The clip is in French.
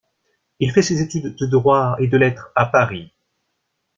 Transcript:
Il fait ses études de droit et de Lettres à Paris.